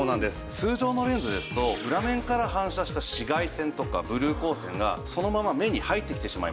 通常のレンズですと裏面から反射した紫外線とかブルー光線がそのまま目に入ってきてしまいます。